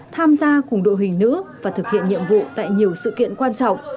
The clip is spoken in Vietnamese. tham gia cùng đội hình nữ và thực hiện nhiệm vụ tại nhiều sự kiện quan trọng